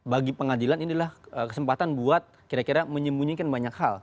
bagi pengadilan inilah kesempatan buat kira kira menyembunyikan banyak hal